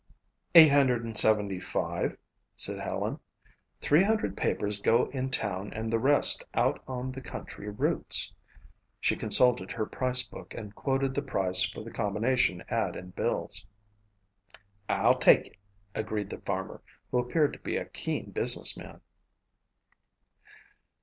"Eight hundred and seventy five," said Helen. "Three hundred papers go in town and the rest out on the country routes." She consulted her price book and quoted the price for the combination ad and bills. "I'll take it," agreed the farmer, who appeared to be a keen business man.